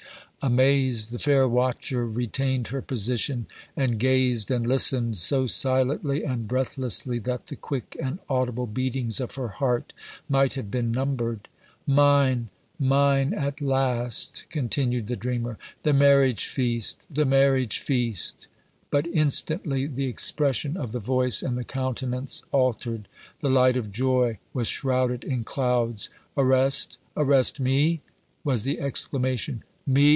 Amazed, the fair watcher retained her position, and gazed and listened so silently and breathlessly that the quick and audible beatings of her heart might have been numbered. "Mine mine at last!" continued the dreamer. "The marriage feast the marriage feast!" But instantly the expression of the voice and the countenance altered. The light of joy was shrouded in clouds. "Arrest arrest me?" was the exclamation "me!